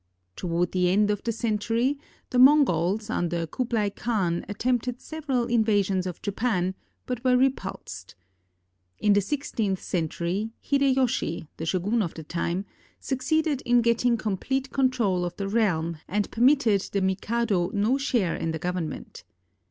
Toward the end of the century, the Mongols under Kublai Khan attempted several invasions of Japan, but were repulsed. In the sixteenth century, Hideyoshi, the shogun of the time, succeeded in getting complete control of the realm and per mitted the mikado no share in the government.